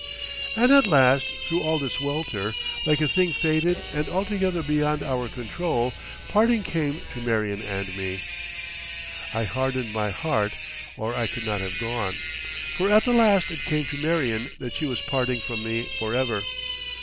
And at last through all this welter, like a thing fated and altogether beyond our control, parting came to Marion and me. I hardened my heart, or I could not have gone. For at the last it came to Marion that she was parting from me for ever.